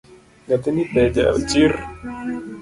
Nyathini be ja chir